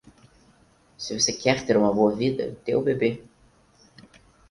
Se você quer ter uma boa vida, dê ao bebê.